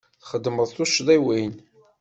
Txedmeḍ tuccḍiwin.